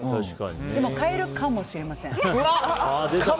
でも変えるかもしれません。